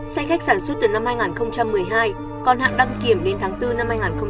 xe khách sản xuất từ năm hai nghìn một mươi hai còn hạn đăng kiểm đến tháng bốn năm hai nghìn một mươi chín